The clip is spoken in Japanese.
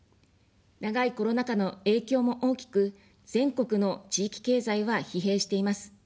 長いコロナ禍の影響も大きく、全国の地域経済は疲弊しています。